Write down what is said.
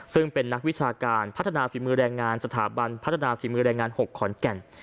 ซึ่งเป็นนักวิชาการพัฒนาฝีมือแรงงานสถาบันพัฒนาฝีมือแรงงาน๖ขอนแก่น